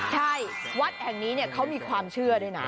ใช่วัดแห่งนี้เขามีความเชื่อด้วยนะ